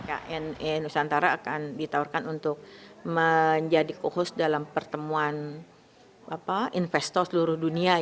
kni nusantara akan ditawarkan untuk menjadi khusus dalam pertemuan investor seluruh dunia